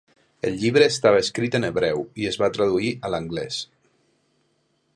El llibre estava escrit en hebreu i es va traduir a l'anglès.